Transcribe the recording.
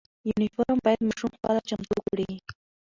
یونیفرم باید ماشوم خپله چمتو کړي.